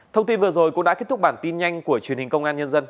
thông tin vừa rồi cũng đã kết thúc bản tin nhanh của truyền hình công an nhân dân